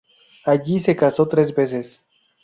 Allí se casó tres veces.